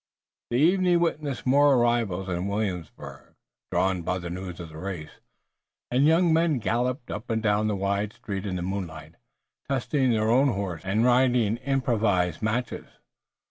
The evening witnessed more arrivals in Williamsburg, drawn by the news of the race, and young men galloped up and down the wide street in the moonlight, testing their own horses, and riding improvised matches.